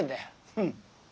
うん。